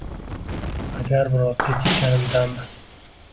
Agar biroz kechikkanimda-mi